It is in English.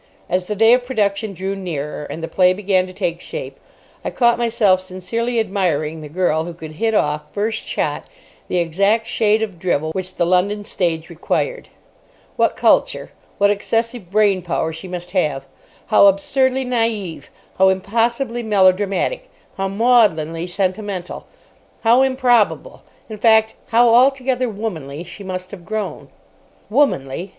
As the day of production drew nearer, and the play began to take shape, I caught myself sincerely admiring the girl who could hit off, first shot, the exact shade of drivel which the London stage required. What culture, what excessive brain power she must have. How absurdly naïve, how impossibly melodramatic, how maudlinly sentimental, how improbable—in fact, how altogether womanly she must have grown. Womanly!